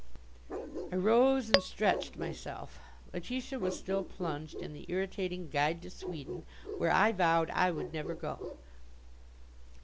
'" I rose and stretched myself. Letitia was still plunged in the irritating guide to Sweden, where I vowed I would never go.